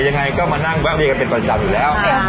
ยังไงมานั่งเว้ากันเป็นวันจันทร์อยู่แล้ว